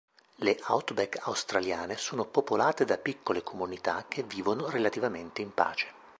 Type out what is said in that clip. Le outback australiane sono popolate da piccole comunità che vivono relativamente in pace.